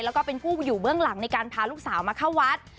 แล้วก็เป็นผู้อยู่เบื้องหลังในการพาลูกสาวมาเข้าวัด